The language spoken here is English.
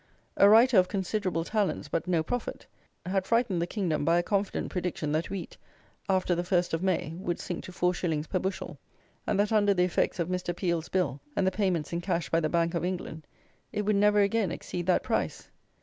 A writer of considerable talents, but no prophet, had frightened the kingdom by a confident prediction that wheat, after the 1st of May, would sink to 4_s._ per bushel, and that under the effects of Mr. Peel's Bill, and the payments in cash by the Bank of England, it would never again exceed that price!